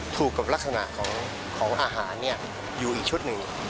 ถูกกับลักษณะของอาหารอยู่อีกชุดหนึ่ง